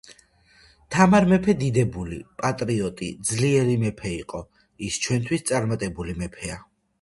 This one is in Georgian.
თამარ მეფე დიდებული, პატრიოტრი, ძლიერი მეფე იყო . ის ჩვენთვის წარმატებული მეფეა